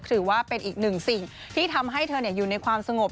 ถือว่าเป็นอีกหนึ่งสิ่งที่ทำให้เธออยู่ในความสงบ